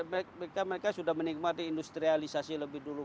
mereka sudah menikmati industrialisasi lebih dulu